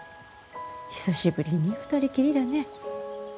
久しぶりに二人きりだね。